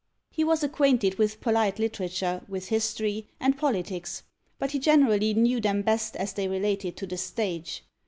He was acquainted with polite literature, with history, and politics; but he generally knew them best as they related to the stage.